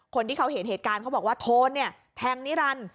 คนที่เขาเห็นเหตุการณ์เขาบอกว่าโทนเนี่ยแทงนิรันดิ์